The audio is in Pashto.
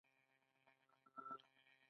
مذهبي غونډې هم د دې کلتور برخه ده.